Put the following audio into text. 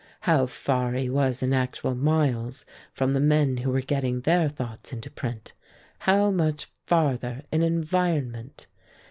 How far he was in actual miles from the men who were getting their thoughts into print, how much farther in environment!